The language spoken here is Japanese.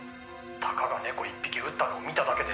「たかが猫１匹撃ったのを見ただけで通報するなんて」